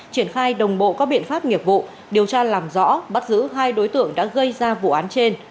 triển khai đồng bộ các biện pháp nghiệp vụ điều tra làm rõ bắt giữ hai đối tượng đã gây ra vụ án trên